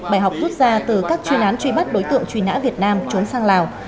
bài học rút ra từ các truy nán truy bắt đối tượng truy nã việt nam trốn sang lào